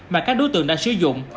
mà các đối tượng đã sử dụng